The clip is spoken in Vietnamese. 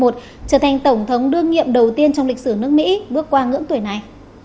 trở thành tổng thống đương nhiệm đầu tiên trong lịch sử nước mỹ bước qua ngưỡng tuổi này